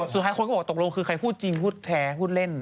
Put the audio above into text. สุดท้ายคนก็บอกตกลงคือใครพูดจริงพูดแท้พูดเล่น